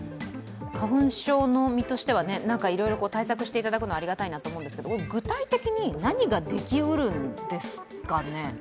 花粉症の身としては、いろいろ対策していただくのはありがたいなと思うんですけれども具体的に何ができうるんですかね？